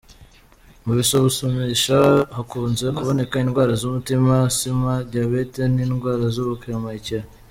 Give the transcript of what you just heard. Mu bisuzumisha, hakunze kuboneka indwara z’umutima, Asima, diabète n’indwara z’ubuhumekero.